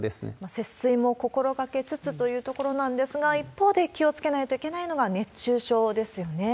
節水も心がけつつというところなんですが、一方で気をつけないといけないのが熱中症ですよね。